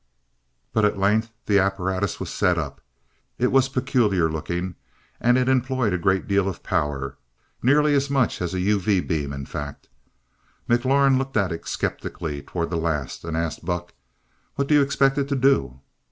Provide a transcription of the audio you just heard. But at length the apparatus was set up. It was peculiar looking, and it employed a great deal of power, nearly as much as a UV beam in fact. McLaurin looked at it sceptically toward the last, and asked Buck: "What do you expect it to do?"